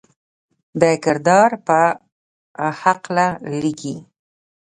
د کردار پۀ حقله ليکي: